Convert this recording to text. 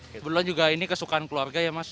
kebetulan juga ini kesukaan keluarga ya mas